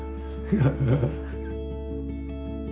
ハハハハ。